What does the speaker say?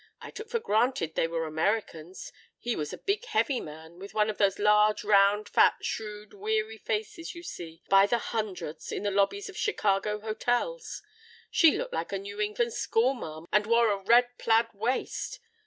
I took for granted they were Americans. He was a big heavy man, with one of those large, round, fat, shrewd, weary faces you see by the hundreds in the lobbies of Chicago hotels. She looked like a New England school marm, and wore a red plaid waist.